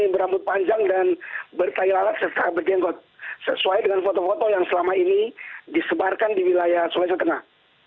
berambut panjang dan bertahilalat sesuai dengan foto foto yang selama ini disebarkan di wilayah sulawesi tengah